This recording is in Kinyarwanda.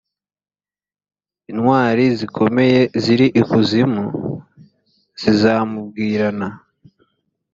intwari zikomeye ziri ikuzimu zizamubwirana